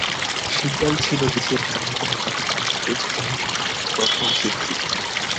সেটাই ছিল দেশের বাইরে কোনো পাকিস্তানির টেস্ট অভিষেকে করা প্রথম সেঞ্চুরি।